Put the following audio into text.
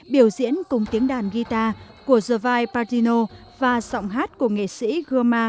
biểu diễn cùng tiếng đàn guitar của gervai pardino và sọng hát của nghệ sĩ goma caballero